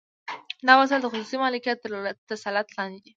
دا وسایل د خصوصي مالکیت تر تسلط لاندې دي